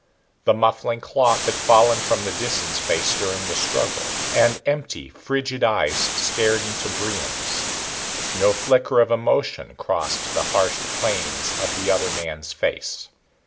The muffling cloth had fallen from the Disan's face during the struggle, and empty, frigid eyes stared into Brion's. No flicker of emotion crossed the harsh planes of the other man's face.